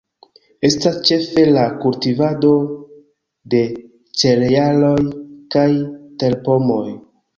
Estas ĉefe la kultivado de cerealoj kaj terpomoj.